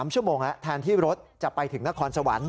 ชั่วโมงแล้วแทนที่รถจะไปถึงนครสวรรค์